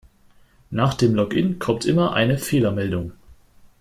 Nach dem Login kommt immer eine Fehlermeldung.